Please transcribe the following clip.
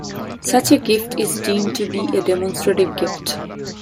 Such a gift is deemed to be a demonstrative gift.